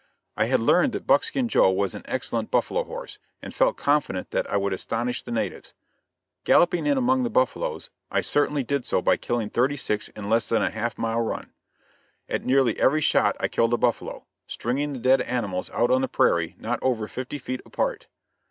I had learned that Buckskin Joe was an excellent buffalo horse, and felt confident that I would astonish the natives; galloping in among the buffaloes, I certainly did so by killing thirty six in less than a half mile run. At nearly every shot I killed a buffalo, stringing the dead animals out on the prairie, not over fifty feet apart.